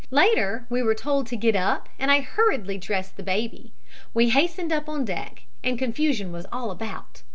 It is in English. Later we were told to get up, and I hurriedly dressed the baby. We hastened up on deck, and confusion was all about.